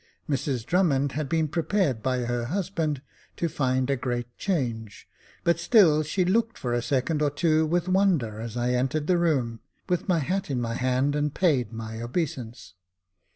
Mrs Drummond had been prepared by her husband to find a great change ; but still, she looked for a second or two with wonder as I entered the room, with my hat in my hand, and paid my obeisance.